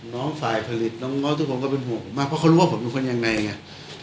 น้องฝ่ายผลิตน้องทุกคนก็เป็นห่วงผมมากเพราะเขารู้ว่าผมเป็นคนยังไงไง